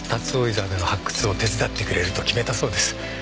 沢での発掘を手伝ってくれると決めたそうです。